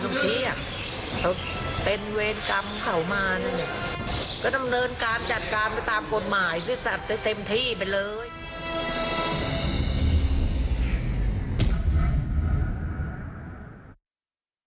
ซึ่งจัดเต็มที่ไปเลย